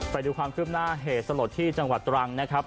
ไปดูความคืบหน้าเหตุสลดที่จังหวัดตรังนะครับ